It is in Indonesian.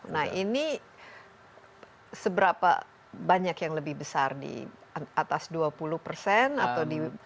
nah ini seberapa banyak yang lebih besar di atas dua puluh persen atau di bawah dua puluh tujuh